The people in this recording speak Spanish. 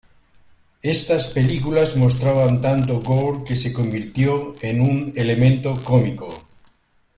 Estas películas mostraban tanto "gore" que se convirtió en un elemento cómico.